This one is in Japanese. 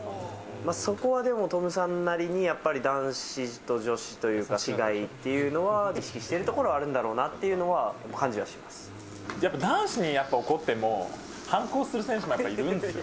そこはでもトムさんなりに、やっぱり男子と女子というか、違いっていうのは、意識してるところはあるんだろうなっていうのやっぱ男子に怒っても、反抗する選手がいるんですよ。